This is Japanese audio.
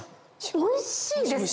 おいしいですね！